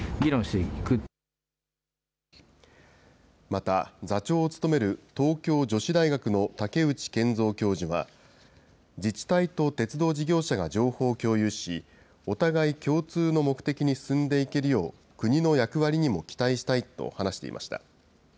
また、座長を務める東京女子大学の竹内健蔵教授は、自治体と鉄道事業者が情報を共有し、お互い共通の目的に進んでいけるよう、国の役割にも期待したいと話していました。